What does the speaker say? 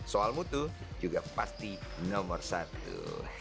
soal mutu juga pasti nomor satu